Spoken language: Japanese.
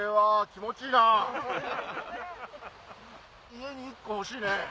家に１個欲しいね。